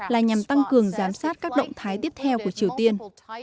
là nhằm tăng cường giám sát các động thái tiếp theo của triều tiên